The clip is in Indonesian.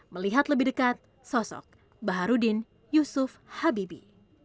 melihat lebih dekat sosok baharudin yusuf habibi